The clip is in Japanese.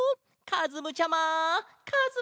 かずむちゃま！